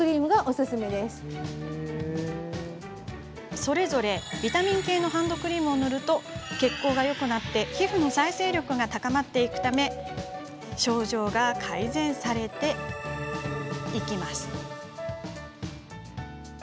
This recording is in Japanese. それぞれ、ビタミン系のハンドクリームを塗ると血行がよくなり皮膚の再生力が高まっていくため症状が改善されていきます。